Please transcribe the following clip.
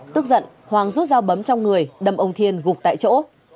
tức giận hoàng rút dao bấm trong người đâm ông thiên gục tại chỗ